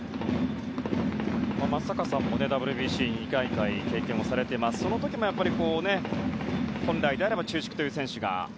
松坂さんもＷＢＣ２大会経験をされてその時も、本来であれば中軸という選手が。